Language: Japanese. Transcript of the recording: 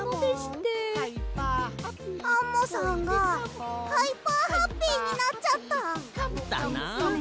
アンモさんがハイハーハッピーになっちゃった。だな。ですね。